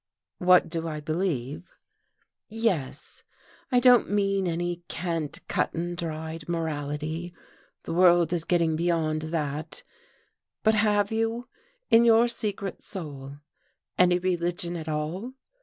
"What do I believe?" "Yes. I don't mean any cant, cut and dried morality. The world is getting beyond that. But have you, in your secret soul, any religion at all?